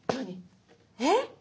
えっ？